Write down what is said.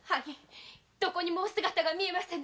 どこにもお姿が見えませぬ。